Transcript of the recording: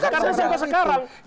karena sampai sekarang